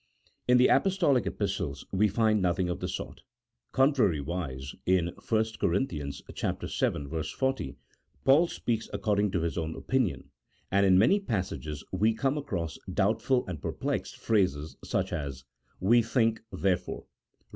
In the Apostolic Epistles we find nothing of the sort. Contrariwise, in 1 Cor. vii. 40 Paul speaks according to his own opinion and in many passages we come across doubt ful and perplexed phrases, such as, " We think, therefore," Eom.